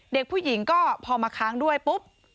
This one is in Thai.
เด็กผู้หญิงก็พอมาค้างด้วยปุ๊บ